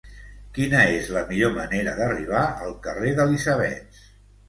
Quina és la millor manera d'arribar al carrer d'Elisabets?